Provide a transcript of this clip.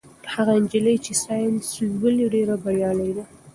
هغه نجلۍ چې ساینس لولي ډېره بریالۍ ده.